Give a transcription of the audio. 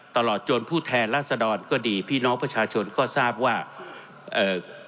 ตลอดจนผู้แทนรัศดรก็ดีพี่น้องประชาชนก็ทราบว่าเอ่อ